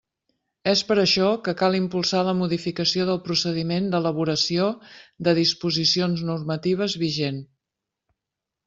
És per això que cal impulsar la modificació del procediment d'elaboració de disposicions normatives vigent.